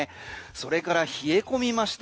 それから冷え込みました